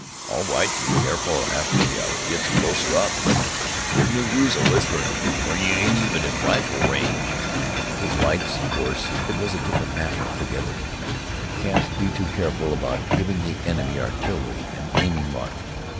All right to be careful arter you gets closer up; but they's no use w'isperin' w'en you ain't even in rifle range." With lights, of course, it was a different matter altogether. Can't be too careful about giving the enemy artillery an aiming mark.